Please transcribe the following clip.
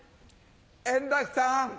円楽さん